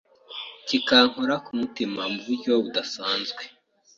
kikankora ku mutima mu buryo budasanzwe.